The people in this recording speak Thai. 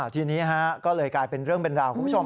ทีนี้ก็เลยกลายเป็นเรื่องเป็นราวคุณผู้ชม